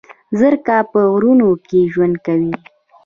زرکه په غرونو کې ژوند کوي